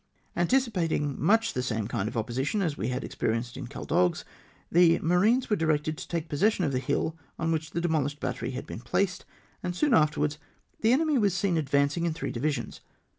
Anticipating much the same kind of opposition as we had experienced at Caldagues, the marines were dii^ected to take possession of the hill on which the demohshed battery had been placed, and soon afterwards the enemy was seen advancing in three divisions.